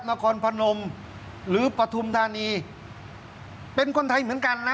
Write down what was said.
นครพนมหรือปฐุมธานีเป็นคนไทยเหมือนกันนะ